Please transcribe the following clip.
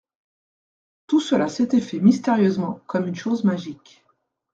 Tout cela s'était fait mystérieusement comme une chose magique.